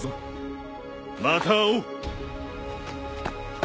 また会おう！